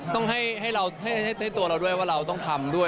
ต้องให้ตัวเราด้วยว่าเราต้องทำด้วย